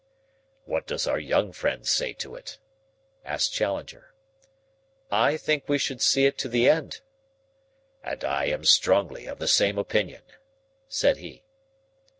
"What does our young friend say to it?" asked Challenger. "I think we should see it to the end." "And I am strongly of the same opinion," said he.